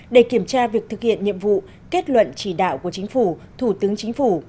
để kiểm tra việc thực hiện nhiệm vụ kết luận chỉ đạo của chính phủ thủ tướng chính phủ